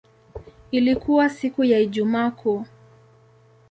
Ilikuwa siku ya Ijumaa Kuu.